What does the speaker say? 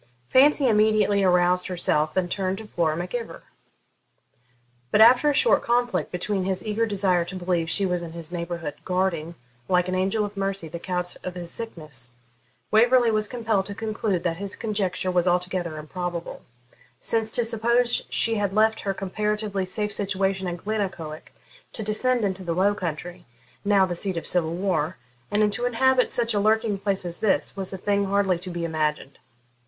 Fancy immediately aroused herself and turned to Flora Mac Ivor. But after a short conflict between his eager desire to believe she was in his neighbourhood, guarding, like an angel of mercy, the couch of his sickness, Waverley was compelled to conclude that his conjecture was altogether improbable; since, to suppose she had left her comparatively safe situation at Glennaquoich to descend into the Low Country, now the seat of civil war, and to inhabit such a lurking place as this, was a thing hardly to be imagined.